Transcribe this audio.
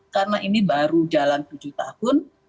karena ini baru jalan tujuh tahun